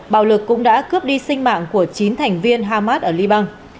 bạo lực cũng đã cướp đi sinh mạng của chín thành viên hamas ở liban